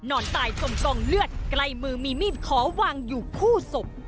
นอนตายจมกองเลือดใกล้มือมีมีดขอวางอยู่คู่ศพ